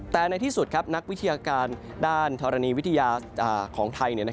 แต่ในที่สุดนักวิทยาการด้านธรณีวิทยาของไทย